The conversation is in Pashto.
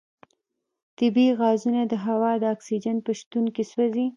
طبیعي غازونه د هوا د اکسیجن په شتون کې سوځي.